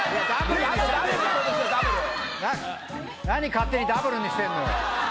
何勝手にダブルにしてるのよ！